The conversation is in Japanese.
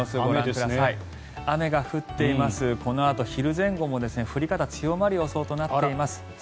このあと、昼前後も降り方強まる予想となっています。